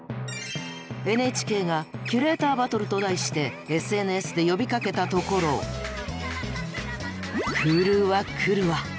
ＮＨＫが「キュレーターバトル」と題してＳＮＳで呼びかけたところ来るわ来るわ。